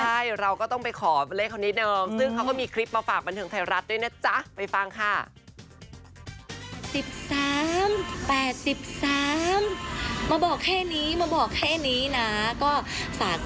ใช่เราก็ต้องไปขอเลขเขานิดนึงซึ่งเขาก็มีคลิปมาฝากบันเทิงไทยรัฐด้วยนะจ๊ะไปฟังค่ะ